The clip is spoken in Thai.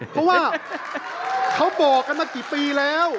เพราะว่าเขาบอกกันมากี่ปีแล้ว